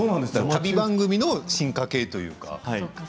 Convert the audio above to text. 旅番組の進化形というか。